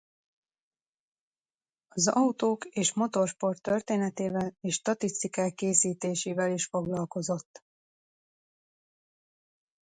Az autó- és motorsport történetével és statisztikák készítésével is foglalkozott.